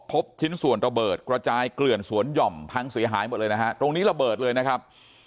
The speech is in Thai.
ชิ้นส่วนระเบิดกระจายเกลื่อนสวนหย่อมพังเสียหายหมดเลยนะฮะตรงนี้ระเบิดเลยนะครับ